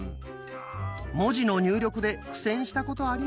文字の入力で苦戦したことありません？